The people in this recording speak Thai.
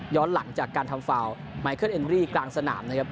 หลังจากการทำฟาวไมเคิลเอ็มรี่กลางสนามนะครับ